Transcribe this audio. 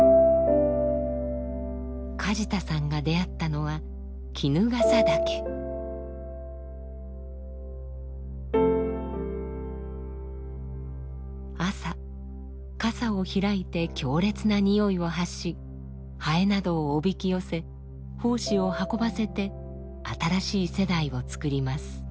梶田さんが出会ったのは朝かさを開いて強烈なにおいを発しハエなどをおびき寄せ胞子を運ばせて新しい世代を作ります。